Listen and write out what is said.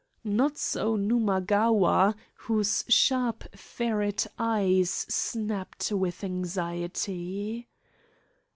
Not so Numagawa, whose sharp ferret eyes snapped with anxiety.